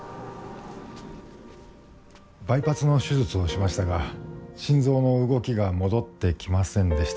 バイパスの手術をしましたが心臓の動きが戻ってきませんでした。